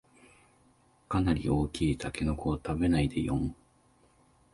かなり大きいタケノコを食べないでよん